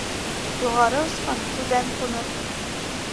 Юғары осҡан түбән ҡуныр.